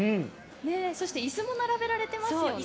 そしていすも並べられていますね。